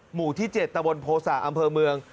หมู่ที่๗ตะบนโภษะอำเภอเมือง